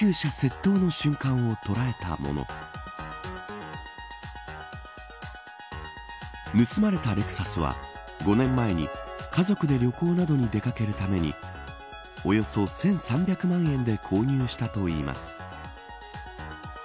盗まれたレクサスは５年前に家族で旅行などに出掛けるためにおよそ１３００万円で購入したといいます。